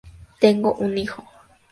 Tengo un hijo.